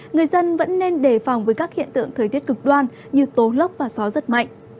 người dân vẫn nên đề phòng với các hiện tượng thời tiết cực đoan như tố lốc và gió rất mạnh